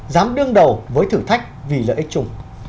dám đương đầu với thử thách vì lợi ích chung